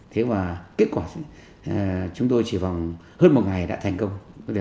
thế và kết quả chúng tôi chỉ vòng hơn một ngày đã thành công